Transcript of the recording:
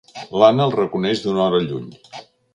L'Anna el reconeix d'una hora lluny.